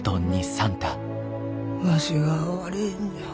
わしが悪いんじゃ。